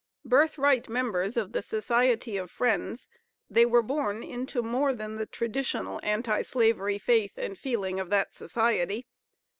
Birth right members of the Society of Friends, they were born into more than the traditional Anti slavery faith and feeling of that Society.